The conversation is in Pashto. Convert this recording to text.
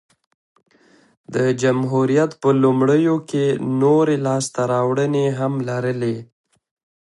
د جمهوریت په لومړیو کې نورې لاسته راوړنې هم لرلې